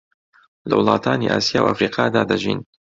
لە وڵاتانی ئاسیا و ئەفریقادا دەژین